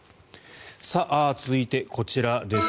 続いて、こちらです。